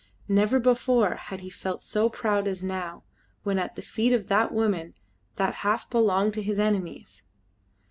Never before had he felt so proud as now, when at the feet of that woman that half belonged to his enemies.